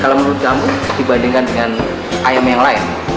kalau menurut kamu dibandingkan dengan ayam yang lain